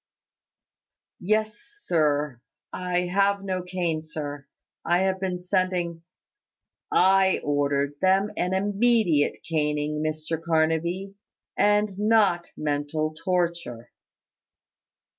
"Yes, sir. I have no cane, sir. I have been sending " "I ordered them an immediate caning, Mr Carnaby, and not mental torture.